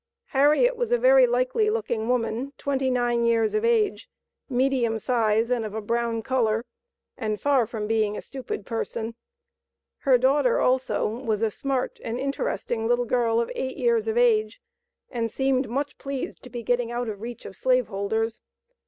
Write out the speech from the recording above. Harriet was a very likely looking woman, twenty nine years of age, medium size, and of a brown color, and far from being a stupid person. Her daughter also was a smart, and interesting little girl of eight years of age, and seemed much pleased to be getting out of the reach of slave holders.